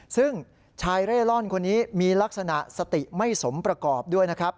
ซึ่งชายเร่ร่อนคนนี้มีลักษณะสติไม่สมประกอบด้วยนะครับ